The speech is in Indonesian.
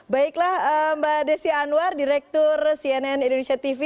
baiklah mbak desi anwar direktur cnn indonesia tv